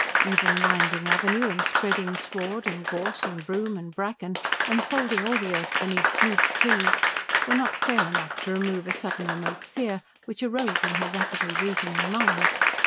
Even winding avenue, and spreading sward, and gorse, and broom, and bracken, enfolding all the earth beneath huge trees, were not fair enough to remove a sudden remote fear which arose in her rapidly reasoning mind.